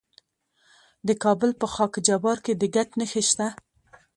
د کابل په خاک جبار کې د ګچ نښې شته.